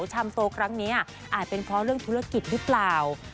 ชามโตครั้งนี้อาจเป็นเพราะเรื่องธุรกิจหรือเปล่า